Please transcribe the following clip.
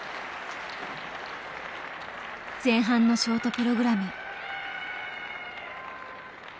前半のショートプログラム。